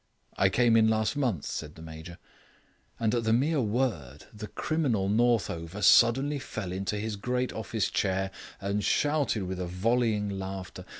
"I came in last month," said the Major. And at the mere word the criminal Northover suddenly fell into his great office chair and shouted with a volleying laughter.